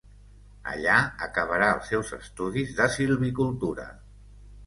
Allà acabarà els seus estudis de silvicultura.